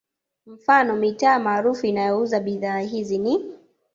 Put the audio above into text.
Mfano mitaa maarufu inayouza bidhaa hizi ni